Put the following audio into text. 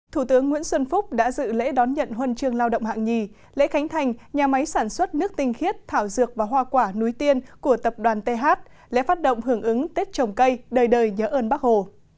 thủ tướng nguyễn xuân phúc đã dự lễ đón nhận huân chương lao động hạng nhì lễ khánh thành nhà máy sản xuất nước tinh khiết thảo dược và hoa quả núi tiên của tập đoàn th lễ phát động hưởng ứng tết trồng cây đời đời nhớ ơn bác hồ